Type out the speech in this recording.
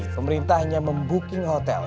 pemerintah hanya membuking hotel